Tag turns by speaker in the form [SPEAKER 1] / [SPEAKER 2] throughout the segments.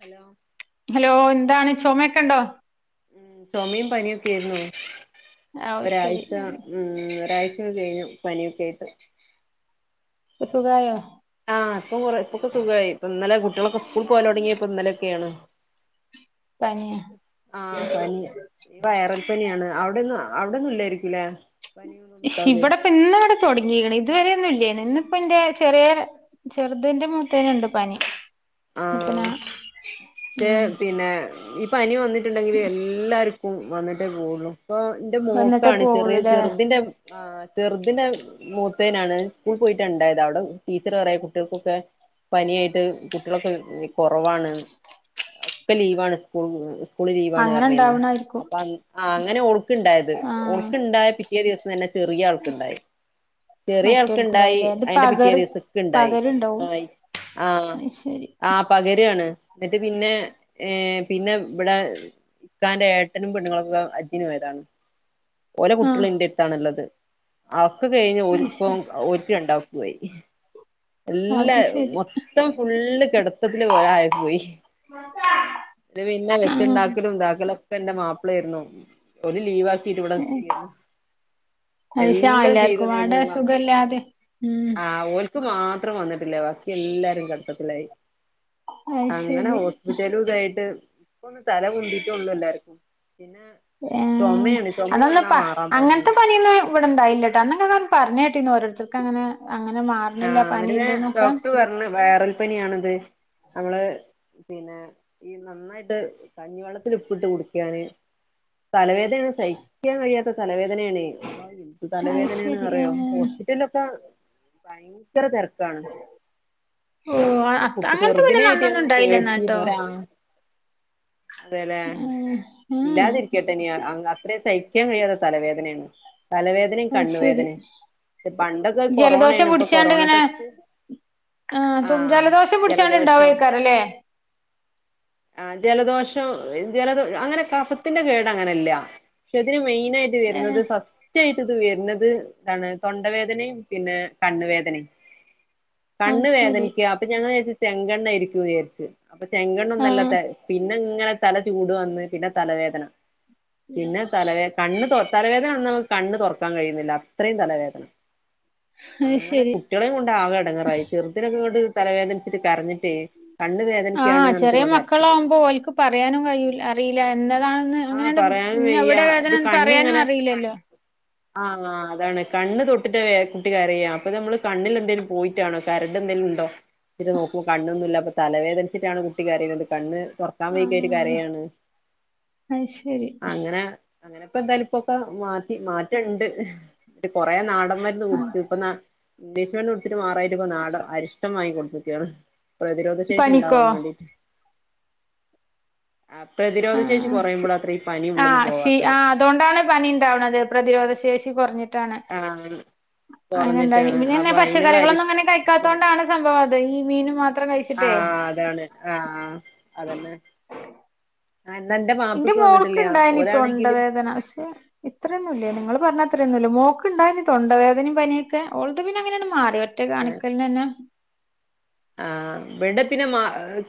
[SPEAKER 1] Hello
[SPEAKER 2] hello എന്താണ് ചുമൊക്കെണ്ടോ
[SPEAKER 1] ചുമുമയും പനിയൊക്കെ ആരുന്നുൊ
[SPEAKER 2] ആ ശരി
[SPEAKER 1] ഒഴ്ച ഉ മ് ഒഴച [unintelligible] കഴിഞ്ഞു പനിയൊക്കെ ആയിട്ട്
[SPEAKER 2] ഇപ്പൊ സുഖായോ
[SPEAKER 1] ആഹ് ഇപ്പൊ കൊറേ ഇപ്പൊക്കെ സുഖായി ഇപ്പൊ ഇന്നലെ കുട്ടികളൊക്കെ സ്കൂൾ പോകല് തുടങ്ങിയത് ഇന്നലെയൊക്കെ യാണ്
[SPEAKER 2] പനിയാ
[SPEAKER 1] ആഹ് പനി വൈറൽ പനിയാണ് അവിടെന്നും അവിടന്നും ഇല്ലായിരിക്കും ലേ
[SPEAKER 2] ഇവിടെ ഇപ്പന്ന്ങ്ങട്ട് തുടങ്ങീക്ക്ണ് ഇതുവരെയൊന്നും ഇല്ലേയ്നു. ഇന്നിപ്പൊന്റെ ചെറിയ ചെറുതിന്റെ മൂത്തീനുണ്ട് പനി അപ്പനാ
[SPEAKER 1] ആഹ് റ്റേ
[SPEAKER 2] ഉം
[SPEAKER 1] പിന്നെ ഈ പനി വന്നിട്ടുണ്ടെങ്കിൽ എല്ലാർക്കും വന്നിട്ടേ പോകൊള്ളു. ഇപ്പൊ ഇന്റെ
[SPEAKER 2] വന്നിട്ടേ
[SPEAKER 1] മോൾക്കാണ് ചെറിയ
[SPEAKER 2] പോവുള്ളൂല്ലേ
[SPEAKER 1] ചെറുതിന്റെ ആഹ് ചെറു തിന്റെ പനിയായിട്ട് കുട്ടികളൊക്കെ കൊറവാണ് ഒക്കെ ലീവാണ് സ്കൂൾ സ്കൂള് ലീവാണ്
[SPEAKER 2] അങ്ങനെ
[SPEAKER 1] റഞ്ഞീര്ന്നു.
[SPEAKER 2] ഇണ്ടാവണായിരിക്കും
[SPEAKER 1] അപ്പൊ അങ്ങനെ ഓൾക്ണ്ടായത്.
[SPEAKER 2] ആ
[SPEAKER 1] ഓൾക്ണ്ടായ പിറ്റേ ദിവസം തന്നെ ചെറിയ ആൾക്ക്ണ്ടായി ചെറിയ ആൾക്ക്ണ്ടായി
[SPEAKER 2] മറ്റോൽക്കുണ്ടാവില്ലേ ഇത്
[SPEAKER 1] അയിന്റെ പിറ്റേ
[SPEAKER 2] പകർ
[SPEAKER 1] ദിവസം ഇക്ക്ണ്ടായി
[SPEAKER 2] പകരുണ്ടാവും
[SPEAKER 1] ആഹ്
[SPEAKER 2] അത് ശരി
[SPEAKER 1] ആഹ് പകരാണ് ഇന്നിട്ട് പിന്നെ ഏഹ് പിന്നെ ഇബടെ ഇക്കാന്റെ ഏട്ടനും പെണ്ണുങ്ങളൊക്കെ ഹജ്ജിനു പോയതാന്നു ഓലെ
[SPEAKER 2] ആ
[SPEAKER 1] കുട്ടികളിന്റെര്ത്താണ്ള്ളത് അക്കെ കഴിഞ്ഞ്
[SPEAKER 2] അത്
[SPEAKER 1] ഓൾക്കും
[SPEAKER 2] ശരി
[SPEAKER 1] ഓല്ക്ക് രണ്ടാക്കും
[SPEAKER 2] അത്
[SPEAKER 1] എല്ലാം
[SPEAKER 2] ശരി
[SPEAKER 1] മൊത്തം ഫുള്ള് കെട [unintelligible] ആയി പോയി പിന്നെ
[SPEAKER 2] ആ
[SPEAKER 1] വെച്ചുണ്ടാക്കലും ഇതാക്കലും ഒക്കെന്റെ മാപ്പ ളാരുന്നു. ഓല് ലീവ് ആക്കീട്ട് ഇവിടെ നിക്കേര്ന്നു
[SPEAKER 2] അത് ശ ആ
[SPEAKER 1] എല്ലാം ചെയ്ത്
[SPEAKER 2] എല്ലാർക്കും പാടെ
[SPEAKER 1] തന്നീന്നത് മാപ.
[SPEAKER 2] സുഖല്ലാതെ ഉം
[SPEAKER 1] ആഹ് ഓൽ ക്ക് മാത്രം വന്നിട്ടില്ല ബാക്കി എല്ലാരും കടത്തത്തിലായി
[SPEAKER 2] അത്
[SPEAKER 1] അങ്ങനെ
[SPEAKER 2] ശരി
[SPEAKER 1] ഹോസ്പിറ്റലും ഇതായിട്ട് ഇപ്പൊന്ന് തല പൊന്തീട്ട് ഉള്ളൂ എല്ലാർക്കും പിന്നെ
[SPEAKER 2] ഏഹ്
[SPEAKER 1] ചുമയാണ് ചുമ വന്നാ
[SPEAKER 2] അതൊന്നുപ്പ
[SPEAKER 1] മാറാൻ പണിയാണ്
[SPEAKER 2] അങ്ങനത്തെ പനിയൊന്നും ഇവടെ ണ്ടായില്ലട്ടോ. അന്നൊക്കെ പറഞ്ഞ് കേട്ടീന്നു ഓരോര്ത്തർക്ക്ങ്ങനെ
[SPEAKER 1] ആഹ് ന്നിട്ട് പിന്നെ ഡോക്ടർ പറഞ്ഞു വൈറൽ പനിയാണിത് നമ്മള് പിന്നെ ഈ നന്നായിട്ട് കഞ്ഞിവെള്ളത്തില് ഇപ്പിട്ട് കുടിക്കാന് തലവേദനയാണ് സഇ വേദനേണ് അള്ളാ എന്ത്
[SPEAKER 2] അയ്
[SPEAKER 1] തലവേദനേണ്
[SPEAKER 2] ശരി
[SPEAKER 1] അറിയോ
[SPEAKER 2] ഏഹ്
[SPEAKER 1] ഹോസ്പിറ്റലിലൊക്കെ ഭയങ്കര തെരക്കാണ്
[SPEAKER 2] ഓഹ്
[SPEAKER 1] കുട്ടി
[SPEAKER 2] അങ്ങനത്തെ പനിയൊന്നും
[SPEAKER 1] ചെറുതിനെയായിട്ട്
[SPEAKER 2] അന്നൊന്നും
[SPEAKER 1] ഞാനൊന്ന് പേടിച്ചീന്നു
[SPEAKER 2] ഇണ്ടായില്ലന്നാട്ടോ
[SPEAKER 1] ഒരാ അതെല്ലെ
[SPEAKER 2] ഏഹ് ഏഹ്
[SPEAKER 1] ഇല്ലാതിരിക്കട്ടെ ഇനി അത്രേ സഹി സഹിക്കാൻ കഴിയാത്ത തലവേദനയാണ്. തലവേദനയും
[SPEAKER 2] അത് ശരി
[SPEAKER 1] കണ്ണുവേദനയും പണ്ടൊക്കെ കൊറോണയാണ് ഇപ്പൊ
[SPEAKER 2] [unintelligible]
[SPEAKER 1] കൊറോണ
[SPEAKER 2] ഇങ്ങനെ
[SPEAKER 1] ടെസ്റ്റ്
[SPEAKER 2] ആഹ് ജലദോഷം പിടിച്ച്ങ്ങാണ്ട് ഇണ്ടാവക്കാരം ല്ലേ
[SPEAKER 1] [inaudible] ആ ജലദോഷം ജലദോ അങ്ങനെ കഫത്തിന്റെ കേടങ്ങനല്ല പക്ഷെ ഇതിന് മെയിൻ ആയിട്ട് വരുന്നത്
[SPEAKER 2] ഏഹ്
[SPEAKER 1] ഫസ്റ്റ് ആയിട്ട് ഇത് വരുന്നത് ഇതാണ് തൊണ്ടവേദനയും പിന്നെ കണ്ണ് വേദനയും
[SPEAKER 2] അത്
[SPEAKER 1] കണ്ണ്
[SPEAKER 2] ശരി
[SPEAKER 1] വേദനിക്ക അപ്പൊ ഞങ്ങള് വിചാരിച്ചു ചെങ്കണ്ണായിരിക്കും വിചാരിച്ച് അപ്പൊ ചെങ്കണ്ണ് ഒന്നും അല്ലാ
[SPEAKER 2] ആഹ്
[SPEAKER 1] പിന്നെ ഇങ്ങനെ തല ചൂട് വന്ന് പിന്നെ തലവേദന പിന്നെ തലവേ കണ്ണ് തലവേദന വന്നപ്പോ കണ്ണ് തുറക്കാൻ കഴിയുന്നില്ല അത്രയും തലവേദന
[SPEAKER 2] അത്
[SPEAKER 1] അങ്ങനെ
[SPEAKER 2] ശരി
[SPEAKER 1] കുട്ടികളെയും കൊണ്ട് ആകെ എടങ്ങേറായി ചെറുതിനൊക്കെങ്ങട്ട് തലവേദനിച്ചിട്ട് കരഞ്ഞിട്ട്
[SPEAKER 2] ആഹ് ചെറിയ
[SPEAKER 1] കരച്ചില്
[SPEAKER 2] മക്കളാവുമ്പോ ഓൽക്ക് പറയാനും കയ്യൂല അറിയൂല ഇന്നതാണെന്ന്
[SPEAKER 1] ആ
[SPEAKER 2] അങ്ങനെയണ്ട്
[SPEAKER 1] പറയാൻ
[SPEAKER 2] ഇഞ്ഞി
[SPEAKER 1] വയ്യ
[SPEAKER 2] എവിടെ വേദനാന്ന് പറയാനും അറിയില്ലല്ലോ
[SPEAKER 1] ആഹ് അതാണ് കണ്ണ് തൊട്ടിട്ട കുട്ടി കരയ അപ്പൊ നമ്മള് കണ്ണിൽ എന്തേലും പോയിട്ടാണോ കരട് എന്തെലുംണ്ടോ [unintelligible] നോക്കും കാണണൊന്നും ഇല്ല അപ്പൊ തലവേദനിച്ചിട്ടാണ് കുട്ടി കരയ്ണത് കണ്ണ് തൊറക്കാൻ
[SPEAKER 2] ആ
[SPEAKER 1] വെയ്ക്കായിട്ട് കരയാണ്
[SPEAKER 2] അത് ശരി
[SPEAKER 1] അങ്ങനെ അങ്ങനെ ഇപ്പൊ എന്തായാലും ഇപ്പൊക്കെ മാറ്റി മാറ്റണ്ട് കുറേ നാടൻ മരുന്ന്
[SPEAKER 2] ആ
[SPEAKER 1] കുടിച്ചു ഇപ്പൊ നാ ഇംഗ്ലീഷ്മെന്റ് കൊടുത്തിട്ട് മാറായിട്ട ഇപ്പോ നാട അരിഷ്ടം വങ്ങി കൊടുത്തക്ക പ്രതിരോധ ശേഷി
[SPEAKER 2] പനിക്കോ
[SPEAKER 1] ഉണ്ടാവാൻ വേണ്ടിട്ട് പ്രതിരോധ
[SPEAKER 2] ആ
[SPEAKER 1] ശേഷി കുറയുമ്പോൾ അത്ര ഈ പനി
[SPEAKER 2] ആ
[SPEAKER 1] ഉള്ളന്ന്
[SPEAKER 2] ശ
[SPEAKER 1] പോവാത്തത്
[SPEAKER 2] ആ അതൊണ്ടാണ് പനി ഉണ്ടാവുന്നത് പ്രതിരോധ ശേഷി
[SPEAKER 1] ആഹ
[SPEAKER 2] അങ്ങനെ എന്ത പിന്നന്നെ പച്ചക്കറികളൊന്നും അനെ കഴിക്കാത്ത
[SPEAKER 1] അരിഷ്ടവും
[SPEAKER 2] കൊണ്ടാണ് സംഭവം അത് ഈ മീന് മാത്രം കഴ
[SPEAKER 1] ആഹ അതാണ് ആഹ അതന്നെ എന്നാ എന്റെ
[SPEAKER 2] ഇന്റെ
[SPEAKER 1] മാപ്പിൾക്ക്
[SPEAKER 2] മോൾക്ക്
[SPEAKER 1] വന്നിട്ടില്ല
[SPEAKER 2] ഇണ്ടായന് തൊണ്ട
[SPEAKER 1] ഓരാണെങ്കില്
[SPEAKER 2] വേദന പക്ഷെ ഇത്രയൊന്നുമ ഇല്ല നിങ്ങള്ൾ പറഞ്ഞത്രൊന്നുംല്ല മോക്ക് ഇണ്ടായ തൊണ്ടവേദനയും പനിയൊക്കെ ഉഓൾത് പിന്നെ അങ്ങനെയാണ് മാറി ഒറ്റേ കാണിക്കല തന്നെ
[SPEAKER 1] ആ് ഇവിടെ പിന്നെ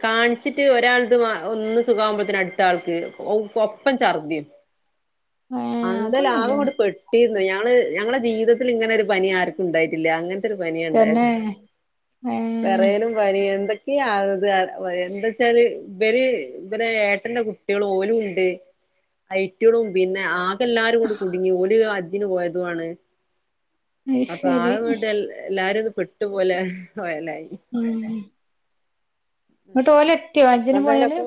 [SPEAKER 1] കാണിച്ചിട്ട് ഒരാൾത് ഒന്ന് സുഖമാകുമ്പോഴത്തന അടുത്ത ആൾക്ക് ഓ ഒപ്പം ചർധിം
[SPEAKER 2] ഏ
[SPEAKER 1] അന്ത ലാഭം
[SPEAKER 2] അതൊന്നുംല്ലേന്നു
[SPEAKER 1] കൂടെ പെട്ടിരുന്നു ഞങ്ങള് ഞങ്ങളുടെ ജീവിതത്തിൽ ഇങ്ങനെ ഒരു പനി ആർക്കും ഉണ്ടായിട്ടില്ല അങ്ങനെ അങ്ങനെ രു പനിയ ഉണ്ടായത്
[SPEAKER 2] തന്നെ ഏ
[SPEAKER 1] വേറെയലും പനി എന്തൊക്കെയാത് എന്താ വച്ചാല് ഇര് ഇ ഏട്ട കുട്ടികൾ ഓലും ഉണ്ട് ഐറ്റോളും പിന്നെ ആകെല്ലാരും കൂടി കുണ്ടുങ്ങി ഓലി അജ്ജിന് പോയതുണ്
[SPEAKER 2] അത്
[SPEAKER 1] അപ്പൊ ആ
[SPEAKER 2] ശരി
[SPEAKER 1] വീട്ട എല്ലാരും ഇത് പെട്ടുപോലെ പോയലായി
[SPEAKER 2] ഉം ന്നട്ട് ഓല് എത്തിയോ
[SPEAKER 1] ഇപ്പ
[SPEAKER 2] ഹജ്ജിന്
[SPEAKER 1] എന്തായാലും
[SPEAKER 2] പോയാല്
[SPEAKER 1] ഇപ്പൊ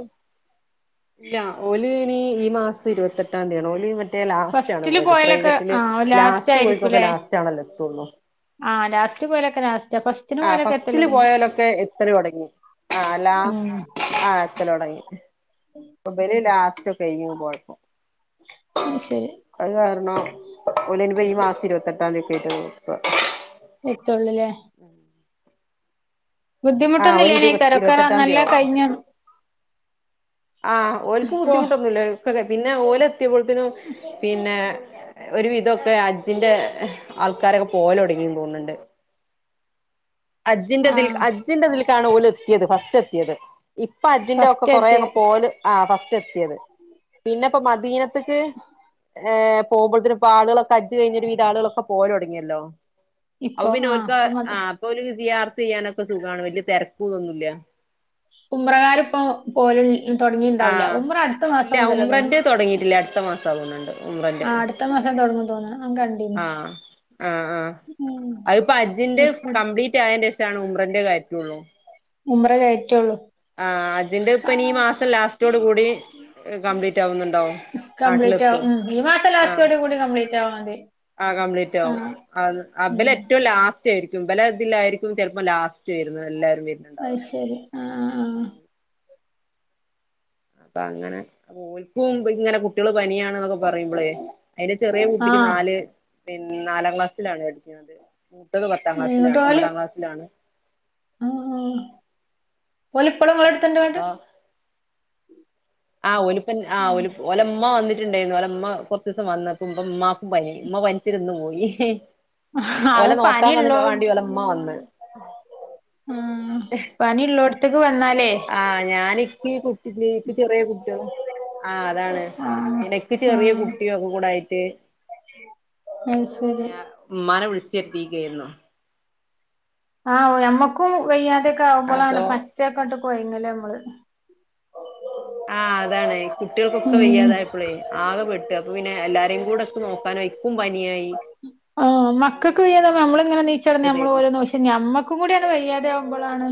[SPEAKER 1] ഇല്ല ഓല് ഈ മാസം ഇരുപത്തെട്ടാം തീയതി ആണ ഓ മറ്റേ ലാസ്റ്റ് ആണ്
[SPEAKER 2] ഫസ്റ്റില്
[SPEAKER 1] പോയത്
[SPEAKER 2] പോയാലൊക്കെ
[SPEAKER 1] പ്രൈവറ്റില്
[SPEAKER 2] ആ
[SPEAKER 1] ലാസ്റ്റ് പോയിക്കൊക്കെ ലാസ്റ്റ് ആണല്ലോ എത്തള്ളൂ
[SPEAKER 2] ആഹ് ലാസ്റ്റ് പോലൊെ
[SPEAKER 1] ആ ഫസ്റ്റില് പോയാലൊക്കെ എത്ര തുടങ്ങി ആ ലാസ്
[SPEAKER 2] ഉം
[SPEAKER 1] ആ എത്ര തുടങ്ങി അപ്പൊ ബൽ ലാസ്റ്റ് ആയിന് പോഴപ്പം
[SPEAKER 2] അത് ശരി
[SPEAKER 1] അത് കാരണം ല ഇനിപ്പ ഈ മാസം ഇരുപത്തെട്ടാം രൂപായിട്ട് നോ
[SPEAKER 2] എത്തള്ളൂല്ലേ
[SPEAKER 1] ആഹ് ഒരു ഇരുപ
[SPEAKER 2] ബുദ്ധിമുട്ടൊന്നുംല്ലേനേക്കാരം ഒക്കെ
[SPEAKER 1] ഇരുപത്തെട്ടാം
[SPEAKER 2] നല്ല
[SPEAKER 1] തീയയാവും
[SPEAKER 2] കഴിഞ്ഞ
[SPEAKER 1] ആഹ് ഒൽക്ക്
[SPEAKER 2] പോ
[SPEAKER 1] ബുദ്ധിമുട്ടൊന്നു ഇല്ലേ ഒക്കെ പിന്നെ ഓലെ എത്തിയപ്പോഴത്തേനും പിന്നെ ഒരു വിധൊക്കെ അജ്ജിന്റെ ആൾക്കാരൊക്കെ പോലെ തുടങ്ങി തോന്നുന്നുണ്ട് അജിന്റെ
[SPEAKER 2] ആ
[SPEAKER 1] അജിന്റെ ദക്കാണ് ഓല എത്തിയത് ഫസ്റ്റ് എത്തിയത് ഇപ്പൊ അജിൻന്റെ ഒക്കെ
[SPEAKER 2] ഫസ്റ്റ് എത്തിയ
[SPEAKER 1] കൊറെേൊക്കെ പോ ഫസ്റ്റ് എത്തിയത് പിന്നെ മദീ നത്തക്ക് പോക്പോഴത്ത ഇപ്പോ ആളുകളൊ അ കഴിഞ്ഞ ഒരു വിധം ആളു കളൊക്കെ പോല തുടങ്ങിയല്ലോ അപ്പം
[SPEAKER 2] ഇപ്പൊ
[SPEAKER 1] പിന്നെ
[SPEAKER 2] ആ
[SPEAKER 1] ഓല്ക്ക്
[SPEAKER 2] ഇപ്പൊ മതി
[SPEAKER 1] ആഹ സിയാറത്ത് ചെയ്യാനൊക്കെ സുഖമാണ് വലിയ തിരക്കന്നൊന്നുമല്ല
[SPEAKER 2] ഉംറകാർ ഇപ്പോ പോലും
[SPEAKER 1] ആ
[SPEAKER 2] തുടങ്ങിണ്ടാവില്ല ഉംറ അടുത്ത
[SPEAKER 1] ഇല്ല
[SPEAKER 2] മാസം മുതല
[SPEAKER 1] ഉമ്രന്റെ തൊടങ്ങിയിട്ടില്ല അടുത്ത മാസാ തോന്ന്ണ്ട്
[SPEAKER 2] ആ അടുത്ത മാസ തുടങ്ങും തോന്നുന്നത്
[SPEAKER 1] ആഹ ആഹ ആഹ്
[SPEAKER 2] ഉം
[SPEAKER 1] അതിപ്പോൊ അജ്ജിന്റെ കംപ്ലീറ്റ് ആയന്റെേഷാണ് മുമ്പ ഇന്റെ കാര്യള്ളൂ
[SPEAKER 2] ഉുമ്ര കയറ്റുള്ളൂ
[SPEAKER 1] ആഹ അജിന്റെ ഇപ്പനിീ മാസം ലാസ്റ്റോട് കൂടി കംപ്ലീറ്റ് ആവുന്നുണ്ടാവും
[SPEAKER 2] കംപ്ലീറ്റ്
[SPEAKER 1] നാട്ടിലൊക്കെ
[SPEAKER 2] ആവും ഉം ഈ മാസം
[SPEAKER 1] ആഹ
[SPEAKER 2] ലാസ്റ്റോട് കൂടി കംപ്ലീറ്റ് ആവാ മതി
[SPEAKER 1] ആ കംപ്ലീറ്റ്
[SPEAKER 2] ആ
[SPEAKER 1] ആും അ അബില
[SPEAKER 2] ഉം
[SPEAKER 1] ഏറ്റ ലാസ് ും പല ഇതിലായിരിക്കും ചിലപ്പോ ലാസ്റ്റ്ല്ല
[SPEAKER 2] അ ശരി ആഹ
[SPEAKER 1] ഉം അപ്പ അങ്ങനെ അപ്പൊ ഓൽക്കും ഇങ്ങനെ കുട്ടികള് പനിയാണ് എന്നൊക്കെ പറയുമ്പോളേ അതിന്റെ ചെറിയ
[SPEAKER 2] ആ
[SPEAKER 1] കുട്ടിക്ക് നാല് പിന്ന നാലാം ക്ലാസ്സിലാണ് പഠിക്കുന്നത് മുത്തത് പത്താം
[SPEAKER 2] ഇങ്ങോട്ട്
[SPEAKER 1] ക്ലാസിലാണ്
[SPEAKER 2] ഓല്
[SPEAKER 1] ഒമ്പതാം ക്ലാസ്സിലാണ്
[SPEAKER 2] ആ ഓലെ ഇപ്പോഴും ടെ
[SPEAKER 1] ആ
[SPEAKER 2] എടുത്തണ്ട് വേണ്ട
[SPEAKER 1] ആഹ് ഒലിപ്പൻ ആ്ല ഒലമ്മ വന്നിട്ടുണ്ടായിരുന്നു ഒലമ്മ കുറച്ച ദിവസം വന്നപ്പ്പ നി ഇമ്മ പനിച്ചിന്ന് പോയി ഓല
[SPEAKER 2] അത്
[SPEAKER 1] നോക്കാൻ വന്നി
[SPEAKER 2] പനിയുള്ളോ
[SPEAKER 1] വണ്ടി ഓലമ്മ വന്ന്
[SPEAKER 2] ആ പനിുള്ളോ
[SPEAKER 1] ആഹ ഞാാന എക്ക് കുട്ടി എക്ക് ചെറിയ കുട്ടികള ആഹ അതാണ്
[SPEAKER 2] ആ
[SPEAKER 1] നിനക്ക്
[SPEAKER 2] ആ
[SPEAKER 1] ചെറിയ കുട്ടിയ ഒക്കെ കൂട ആായിട്ട്
[SPEAKER 2] അത് ശരി
[SPEAKER 1] ഉമ്മാനെ വിളിച്ചു എപ്പക്കയന്നു
[SPEAKER 2] ആഹ മ്മക്കും വയ്യാതെയൊക്കെ
[SPEAKER 1] അപ്പൊ
[SPEAKER 2] ആവുമ്പോളാണ് മറ്റേൊക്കെട്ട് പോയങ്ങല്ലേ നമ്മള്
[SPEAKER 1] ആഹ് അതാണ് കുട്ടികൾക്കൊക്കെ
[SPEAKER 2] ഉം
[SPEAKER 1] വയ്യാതായപ്പോളേ ആകെ പെട്ടു അപ്പൊ പിന്നെ എല്ലാരേും കൂടെൊക്കെ നോക്കാൻ കുംമ്പാനിയായി
[SPEAKER 2] ആഹ മക്കക്ക് നമ്മ ഇങ്ങനെ നീച്ചട നമ്മ
[SPEAKER 1] വിളിച്ചതായിരുന്നു
[SPEAKER 2] ഓരോം നമ്മക്കും കൂടിയാണ് വയ്യാതെ ആവുമ്പോളാണ്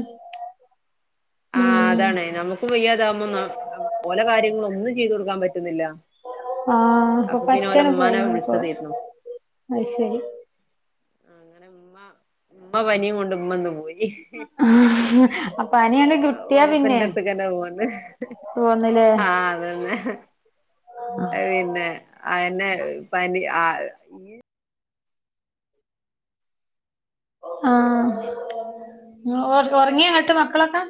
[SPEAKER 1] ആ അതാണ് നമ്മുക്ക് വയ്യാതാകുമ്പോ ഓലെ കാര്യങ്ങളും ഒന്നും ചെയ്തു കൊടുക്കാൻ പറ്റുന്നില്ല
[SPEAKER 2] ആഹ അപ്പൊ
[SPEAKER 1] പിന്നെ
[SPEAKER 2] പറ്റണ
[SPEAKER 1] ഓലെ ഉമ്മാനെ
[SPEAKER 2] പോഞ്ഞപ്പോ
[SPEAKER 1] വിളിച്ചതായിരുന്നു
[SPEAKER 2] അത് ശരി
[SPEAKER 1] അങ്ങനെ ഉമ്മ ഉമ്മ പനിയും കൊണ്ട് ഉമ്മ നും
[SPEAKER 2] ആ പനിയണ്ട് കിട്ടിയാ പിന്നെ
[SPEAKER 1] ഓരപ്പന്റെ അടുത്തക്കന്നെ പോവാന്ന്
[SPEAKER 2] പോന്നില്ലേ
[SPEAKER 1] ആഹ അതന്നെ പിന്നെ അന്നെ പനി
[SPEAKER 2] ആഹ ഉറങ്ങിയ അങ്ങോട്ട് മക്കളൊക്കെ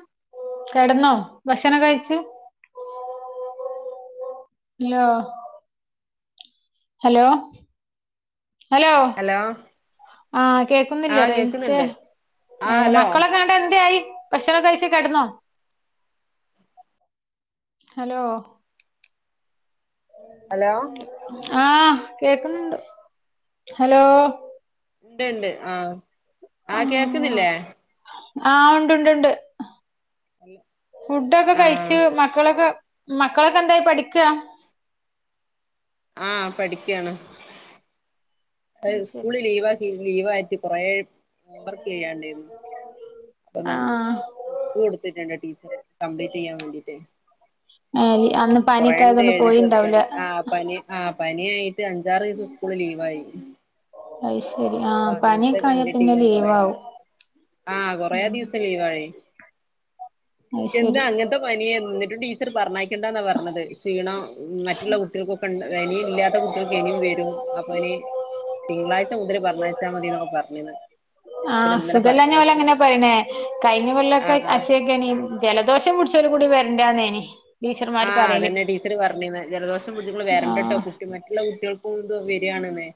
[SPEAKER 2] കെടന്നോ ഭക്ഷണംൊക്കെ കഴിച്ചു
[SPEAKER 1] അ
[SPEAKER 2] ഇ ഹലോ
[SPEAKER 1] ഹലോ
[SPEAKER 2] ആഹ കേക്കുന്നില്ലേ
[SPEAKER 1] ആഹ്
[SPEAKER 2] റയിറ്റ
[SPEAKER 1] കേക്കുന്നുണ്ട് ആഹ്
[SPEAKER 2] ഏ
[SPEAKER 1] ഹലോ
[SPEAKER 2] മക്കളൊക്കെ കട്ട എന്ത ആായി ഭക്ഷണംൊ കഴിച്ച കിടന്നോ ഹലോ
[SPEAKER 1] ഹലോ
[SPEAKER 2] ആഹ കേക്കുന്നുണ്ട് ഹലോ
[SPEAKER 1] ഉണ്ട്ണ്ട് ആഹ ആഹ
[SPEAKER 2] ആഹ്
[SPEAKER 1] കേൾക്കുന്നില്ലേ
[SPEAKER 2] ആഹ് ഉണ്ട്ണ്ട്ുണ്ട് ഫുഡൊക്കെ
[SPEAKER 1] ആഹ്
[SPEAKER 2] കഴച്ച് മക്കളൊക്കെ മക്കളൊക്കെ എന്തായി പഠിക്കുക
[SPEAKER 1] ആഹ് പഠിക്കയാണ്
[SPEAKER 2] അത് ശരി
[SPEAKER 1] സ്കൂള് ലീവ ആക്കി ലീവ് ആട്ടി കുറെേ ഹ വർക്ക് ചെയ്യാണ്ടരുന്നു അപ്പൊ
[SPEAKER 2] ആഹ്
[SPEAKER 1] കൊടുത്തിട്ടുണ്ട് കംപ്ലീറ്റ് ചെയ്യാൻ വേണ്ടീട്ട്
[SPEAKER 2] ആ
[SPEAKER 1] കുറേണ്ട് എഴുതി തീർക്കൻ ആ പനി ആ പാനിയായിട്ട് അഞ്ചാറ് ദിവസം സ്കൂള് ലീവായി
[SPEAKER 2] അയ്ശരി
[SPEAKER 1] അപ്പൊ
[SPEAKER 2] ആഹ് പനിയൊക്കെ ആയ പിന്നെ ലീവ് ആവും
[SPEAKER 1] ആഹ് കൊറേ ദിവസം ലീവായി
[SPEAKER 2] അത്
[SPEAKER 1] എന്താ
[SPEAKER 2] ശരി
[SPEAKER 1] അങ്ങനത്തെ പനിയെ നിന്നിട്ട് ടീച്ചർ പറഞ്ഞക്കേണ്ടന്നാ പറഞ്ഞത് ക്ഷീണോ മറ്റുള്ള കുട്ടികൾക്കൊക്കെ ഉണ്ട് ഇനിയും ഇല്ലാത്ത കുട്ടികൾക്ക് ഇനിയും വരും അപ്പൊ ഇനി തിങ്കളാഴ്ച മുതൽ പറഞ്ഞ ഴച്ചാ മതിന്നൊക്കെ പറഞ്ഞന്ന്
[SPEAKER 2] ആഹ് സുഖല്ലഞ്ഞോലെ അങ്ങനെ പറയണേ കഴിഞ്ഞ
[SPEAKER 1] ആ
[SPEAKER 2] കൊല്ലൊക്കെ അശക്ക ജലദോഷ ദോഷം പുടിച്ചല് കൂടി വരണ്ടന്നേനി
[SPEAKER 1] ആഹ് അതന്നെ ടീച്ചറ് പറഞ്ഞ് ജലദോഷം പിടിച്ചകൾ വരണ്ട കേട്ടോ
[SPEAKER 2] ആഹ്
[SPEAKER 1] കുട്ടി മറ്റുള്ള കുട്ടികൾക്കും വരിയാാണ് ന്നേ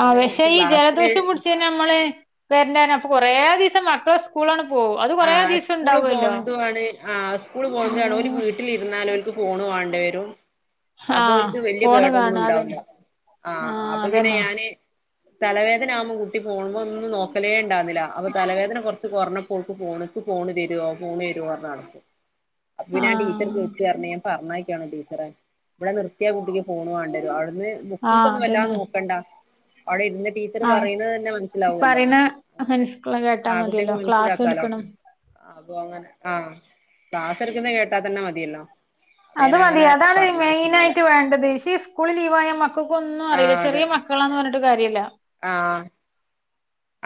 [SPEAKER 2] ആഹ് പക്ഷെ ഈ ജലദോഷം പിടിച്ചന്നെ നമ്മള് വരണ്ട കുറേ ദിവസം മക്കളെ സ്കൂളാണ്ഇപ്പോ
[SPEAKER 1] ആ സ്കൂള് പോതണ് ആ സ്കൂള് പോകുന്നതാണ് ഒല്
[SPEAKER 2] ഉം
[SPEAKER 1] വിട്ടിലിരുന്നാലും ഫോണ് വേണ്ട വരും
[SPEAKER 2] ആ
[SPEAKER 1] അപ്പൊ ഒൽക്ക്‌
[SPEAKER 2] ഫോണ്
[SPEAKER 1] വല്യകേടൊന്നും ഒന്നും
[SPEAKER 2] കാണാ
[SPEAKER 1] ഉണ്ടാവില്ല
[SPEAKER 2] അതന്നെ ആ
[SPEAKER 1] ആഹ് അപ്പൊ പിന്നെ
[SPEAKER 2] അതന്നെ
[SPEAKER 1] ഞാന് തലവേദന ആകുമ്പോൾ കുട്ടി പോകുമ്പോ ഒന്നും നോക്കലേണ്ടാവുന്നില്ല അപ്പൊ തലവേദന കൊറച്ച് കൊറഞ്ഞ് ക്ക് പോണ് ഫോണ് തരുവോ ഫോണ് തരോന്നാണ് അപ്പൊ പിന്നെ
[SPEAKER 2] ആ
[SPEAKER 1] ഞാൻ ടീച്ചർ വിളിച്ച് പറഞ്ഞു ഞാൻ പറഞ്ഞയക്കാണ് ടീച്ചറെ ഇവിടെ നിർത്തിയാ കുട്ടിക്ക് ഫോണ് വേണ്ടി വരും അവ ന്ന്
[SPEAKER 2] ആ
[SPEAKER 1] ബുക്ക് ക്കൊന്നും വല്ലാണ്ട്
[SPEAKER 2] അതന്നെ
[SPEAKER 1] നോക്കണ്ട അവിടെ ഇരുന്നി
[SPEAKER 2] ആ പറയുന്ന [inaudible] കേട്ടാ മതിയല്ലോ ക്ലാ ക്ലാസ് എടുക്കണത്
[SPEAKER 1] ഒ അങ്ങനെ ആ ക്ലാസ് എടുക്കുന്നത് കേട്ടാ തന്നെ മതിയല്ലോ അപ്പൊ
[SPEAKER 2] അത്
[SPEAKER 1] ഞാൻ
[SPEAKER 2] മതി
[SPEAKER 1] അങ്ങനെ
[SPEAKER 2] അതാണ്
[SPEAKER 1] പറഞ്ഞയച്ചു
[SPEAKER 2] മെയിൻ
[SPEAKER 1] ഇന്നലെ
[SPEAKER 2] ആയിട്ട് വേണ്ടത് പക്ഷേ സ്കൂൾ ലീവായ മക്ക മക്കൾക്കൊന്നും അറിയില്ല ചെറിയ മക്കളാന്ന് പറഞ്ഞിട്ട് കാര്യമല്ല
[SPEAKER 1] ആ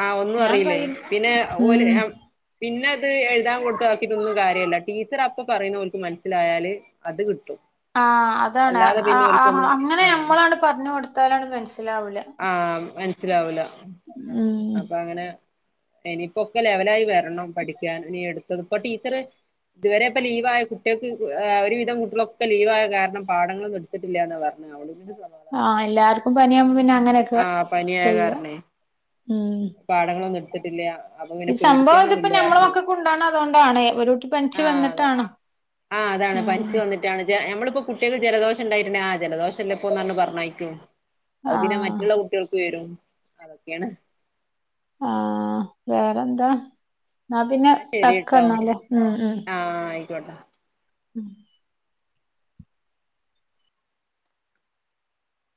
[SPEAKER 1] ആഹ് ഒന്നും
[SPEAKER 2] ഞാൻ
[SPEAKER 1] അറിയില്ലേ
[SPEAKER 2] കൈ
[SPEAKER 1] പിന്നെ
[SPEAKER 2] ഉം
[SPEAKER 1] ഒല്ല്പിന്നെ അത് എഴുതാൻ കൊടുത്തതക്കിയിട്ടൊന്നും കാര്യമല്ല ടീച്ചർ അപ്പ പറയുന്നവക്ക് മനസ്സിലായാല് അത് കിട്ടും
[SPEAKER 2] ആഹ് അതാണ്
[SPEAKER 1] അല്ലാതെ പിന്നെ ഓൽക്കൊന്നും
[SPEAKER 2] അങ്ങനെ ആന് നമ്മളാണ് പറഞ്ഞ് കൊടുത്താലാണ് മനസി
[SPEAKER 1] ആ മനസിലാവൂല
[SPEAKER 2] ഉം
[SPEAKER 1] അപ്പൊ അങ്ങനെ ഇനിയിപ്പോക്കെ ലെവലായി വരണം പഠിക്കാൻ ഇനി എടുത്തത്പ്പൊ ടീച്ചർ ഇതുവരെ ഇപ്പൊ ലീവായ കുട്ടികൾക്ക്എഒരുവിധം കുട്ടികളൊക്കെ ലീവായ കാരണം പാഠങ്ങളൊന്നും എടുത്തിട്ടില്ല എന്ന് പറഞ്ഞേ [unintelligible]
[SPEAKER 2] ആഹ് എല്ലാർക്കും പനിയാകുമ്പോ പിന്നെ അങ്ങനെയൊക്കെ ചെയ്യാ ഉം
[SPEAKER 1] പാഠാങ്ങളൊന്നും എടുത്തിട്ടില്ല അപ്പൊ
[SPEAKER 2] ഈ
[SPEAKER 1] പിന്നെ
[SPEAKER 2] സംഭവം ഇതിപ്പ
[SPEAKER 1] പേടിക്കാനൊന്നുമില്ല കാരണം
[SPEAKER 2] ഞമ്മളൊമകക്കു ഇണ്ടാകുന്നത് അതേകൊണ്ടാണേ ഒരുട്ടി പ നിച്ച്
[SPEAKER 1] ആഹ് അതെ
[SPEAKER 2] വന്നിട്ടാണ്
[SPEAKER 1] ആഹ് അതാണ് പനിച്ചു
[SPEAKER 2] ഉം
[SPEAKER 1] വന്നിട്ടാണ് നമ്മളിപ്പോ ആ കുട്ടികൾക്ക് ജലദോഷം ഉണ്ടായിരുന്നേ ആ ജലദോഷ ല്ല ഇപ്പോന്ന്പറഞ്ഞക്കും അത് പിന്നെ
[SPEAKER 2] ആഹ്
[SPEAKER 1] മറ്റുള്ള കുട്ടികൾക്ക് വരും അതൊക്കെയാണ്
[SPEAKER 2] ആ. വേറെന്താ ആ ഇ പിന്നെ
[SPEAKER 1] എന്നാ
[SPEAKER 2] ടക്ക് വന്നാലേ ഉം ഉം
[SPEAKER 1] ട് [inaudible]
[SPEAKER 2] ഉം